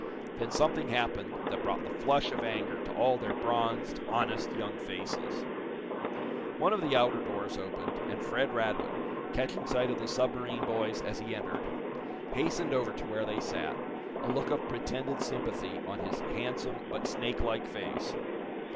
Then something happened that brought the flush of anger to all their bronzed, honest young faces. One of the outer doors opened, and Fred Radwin, catching sight of the submarine boys as he entered, hastened over to where they sat, a look of pretended sympathy on his handsome but snake like face.